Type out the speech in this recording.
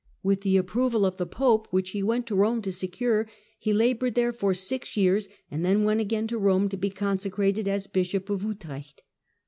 With the approval of the Pope, which he went to Rome to secure, he laboured there for six years, and then went again to Eome to be consecrated as Bishop of Utrecht.